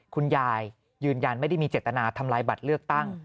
คุณยายยืนยันไม่ได้มีเจตนาทำลายบัตรเลือกตั้ง